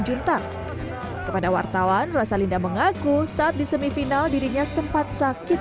juntang kepada wartawan rosalinda mengaku saat di semifinal dirinya sempat sakit